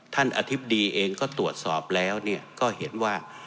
อธิบดีเองก็ตรวจสอบแล้วก็เห็นว่า